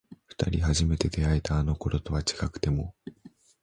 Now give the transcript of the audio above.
二人初めて出会えたあの頃とは違くても